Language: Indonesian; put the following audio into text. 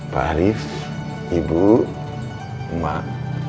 pak arief ibu mak